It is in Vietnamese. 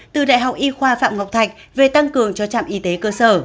từ đại học y khoa phạm ngọc thạch về tăng cường cho trạm y tế cơ sở